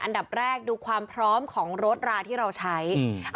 อันดับแรกดูความพร้อมของรถราที่เราใช้อืม